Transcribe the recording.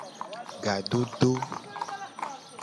Ga dodo.